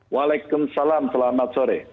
waalaikumsalam selamat sore